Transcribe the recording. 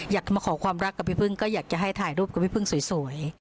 อยากมาขอความรักกับพี่พึ่งก็อยากจะให้ถ่ายรูปกับพี่พึ่งสวย